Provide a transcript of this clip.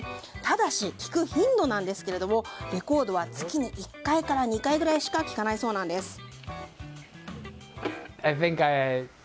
ただし、聴く頻度なんですがレコードは月に１回から２回ぐらいしか聴かないそうなんです。